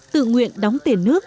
tự nguyện đóng tiền nước